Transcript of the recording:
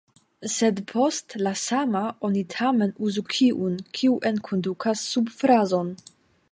Sed post “la sama” oni tamen uzu kiun, kiu enkondukas subfrazon.